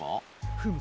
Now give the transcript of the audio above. フム。